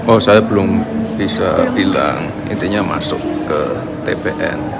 oh saya belum bisa bilang intinya masuk ke tpn